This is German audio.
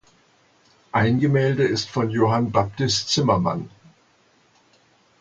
Ein Gemälde ist von Johann Baptist Zimmermann.